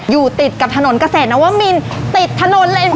อยู่ติดกับถนนเกษตรนวมินติดถนนเลย